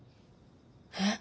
えっ？